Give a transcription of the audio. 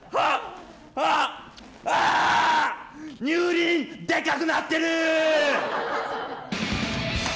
乳輪でかくなってる。